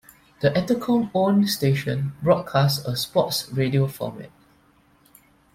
The Entercom-owned station broadcasts a sports radio format.